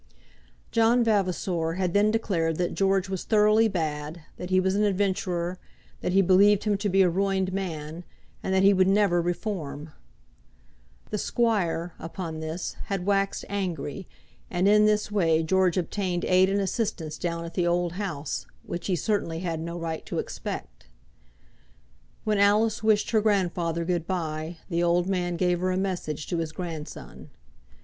John Vavasor had then declared that George was thoroughly bad, that he was an adventurer; that he believed him to be a ruined man, and that he would never reform. The squire upon this had waxed angry, and in this way George obtained aid and assistance down at the old house, which he certainly had no right to expect. When Alice wished her grandfather good bye the old man gave her a message to his grandson.